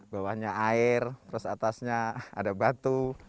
bawahnya air terus atasnya ada batu